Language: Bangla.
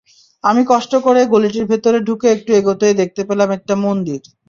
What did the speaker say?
আমি কষ্ট করে গলিটির ভেতরে ঢুকে একটু এগোতেই দেখতে পেলাম একটা মন্দির।